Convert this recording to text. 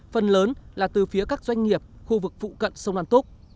phần lớn là từ phía các doanh nghiệp khu vực phụ cận sông lan túc